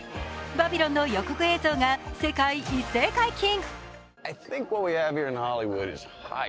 「バビロン」の予告映像が世界一斉解禁。